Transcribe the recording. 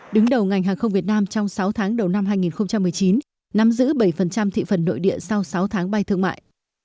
đứng đầu ngành hàng không việt nam trong sáu tháng đầu năm hai nghìn một mươi chín nắm giữ bảy thị phần nội địa sau sáu tháng bay thương mại